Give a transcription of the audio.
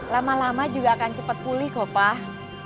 lama lama juga akan cepat pulih kok pak